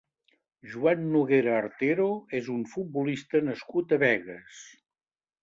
Joan Noguera Artero és un futbolista nascut a Begues.